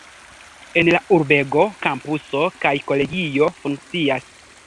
En la urbego kampuso kaj kolegio funkcias.